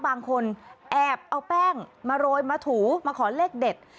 บางคนแอบเอาแป้งมาโรยมาถูมาขอเลขเด็ด